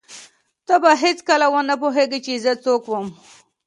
ته به هېڅکله ونه پوهېږې چې زه څوک وم.